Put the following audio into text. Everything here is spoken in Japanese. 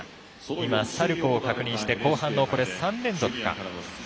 今、サルコーを確認して後半の３連続か。